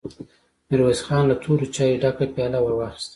ميرويس خان له تورو چايو ډکه پياله ور واخيسته.